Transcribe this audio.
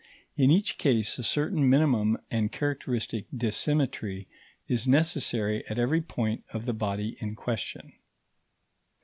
in each case a certain minimum and characteristic dissymmetry is necessary at every point of the body in question.